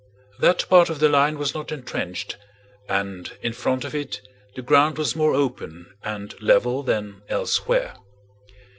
That part of the line was not entrenched and in front of it the ground was more open and level than elsewhere.